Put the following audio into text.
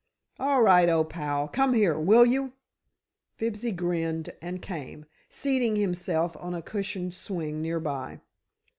"All right, old pal; come here, will you?" Fibsy grinned and came, seating himself on a cushioned swing nearby.